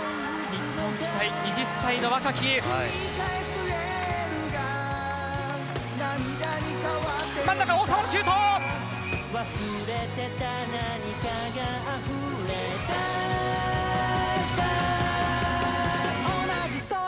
日本期待、２０歳の若きエース。